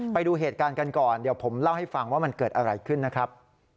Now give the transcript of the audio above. ไปดูเหตุการณ์กันก่อนเดี๋ยวผมเล่าให้ฟังว่ามันเกิดอะไรขึ้นนะครับ